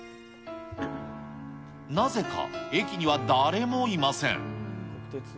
なぜか駅には誰もいません。